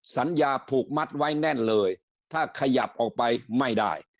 สัญญาผูกมัดไว้แน่นเลยถ้าขยับออกไปไม่ได้